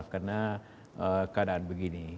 karena keadaan begini